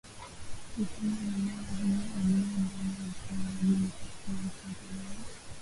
kufanya wilaya hiyo iliyo ndani ya Mkoa wa Geita kuwa Mkoa kamili